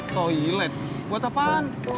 toilet buat apaan